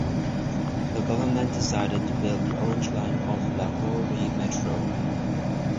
The Government decided to build the Orange Line of Lahore Metro.